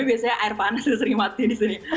tapi biasanya air panas yang sering mati di sini